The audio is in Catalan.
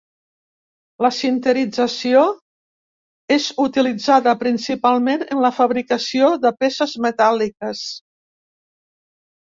La sinterització és utilitzada principalment en la fabricació de peces metàl·liques.